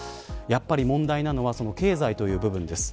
やっぱり問題なのは経済という部分です。